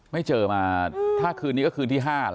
ไม่เจอมาถ้าคืนนี้ก็คืนที่๕แล้ว